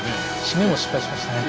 締めも失敗しましたね。